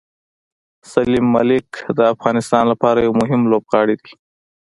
سلیم ملک د افغانستان لپاره یو مهم لوبغاړی دی.